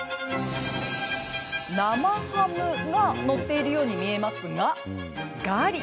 生ハムが載っているように見えますが、ガリ。